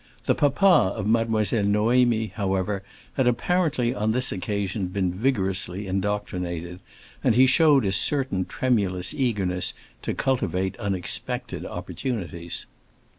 The papa of Mademoiselle Noémie, however, had apparently on this occasion been vigorously indoctrinated, and he showed a certain tremulous eagerness to cultivate unexpected opportunities.